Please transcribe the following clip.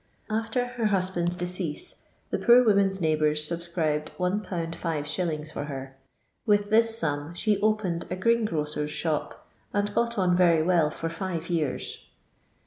Afier her husband's decease the poor woman's neighbours subscribed 12. 5f . for her; with this sum she opened a greengrocer's shop, and got on very well for five years.